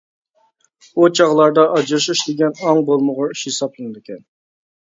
ئۇ چاغلاردا ئاجرىشىش دېگەن ئاڭ بولمىغۇر ئىش ھېسابلىنىدىكەن.